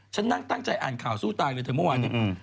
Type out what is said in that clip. ฉันนั่งตั้งใจอ่านข่าวสู้ตายเลยเธอเมื่อวานเนี่ย